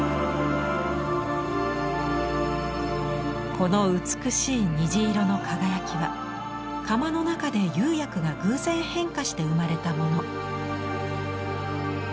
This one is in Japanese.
この美しい虹色の輝きは窯の中で釉薬が偶然変化して生まれたもの。